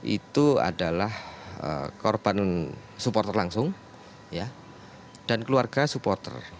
itu adalah korban supporter langsung dan keluarga supporter